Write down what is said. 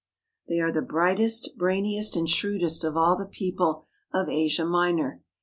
They are the brightest, brainiest, and shrewdest of all the people of Asia Minor.